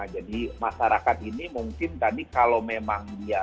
jadi masyarakat ini mungkin tadi kalau memang dia